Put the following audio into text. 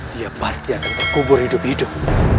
dia pasti akan terkubur hidup hidup